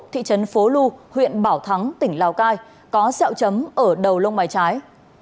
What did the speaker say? thị trấn phố lu huyện bảo thắng tỉnh lào cai có sẹo chấm ở đầu lông mái trái